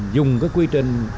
dùng cái quy trình